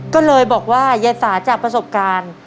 ก็เลยบอกว่ายายสาจากประสบการณ์